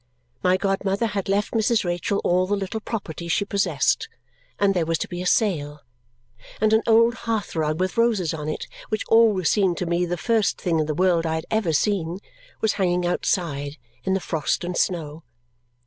My godmother had left Mrs. Rachael all the little property she possessed; and there was to be a sale; and an old hearth rug with roses on it, which always seemed to me the first thing in the world I had ever seen, was hanging outside in the frost and snow.